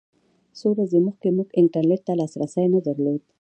څو ورځې مخکې موږ انټرنېټ ته لاسرسی نه درلود.